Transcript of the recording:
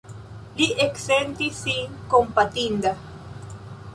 Li eksentis sin kompatinda.